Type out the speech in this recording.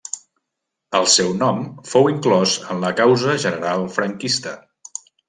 El seu nom fou inclòs en la Causa General franquista.